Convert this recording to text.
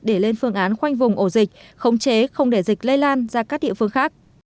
để lên phương án khoanh vùng ổ dịch khống chế không để dịch lây lan ra các địa phương khác